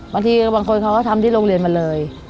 บางทีบางคนเขาก็ทำที่โรงเรียนมาเลย